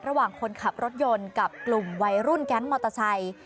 ระหว่างคนขับรถยนต์กับกลุ่มวัยรุ่นแก๊งมอเตอร์ไซค์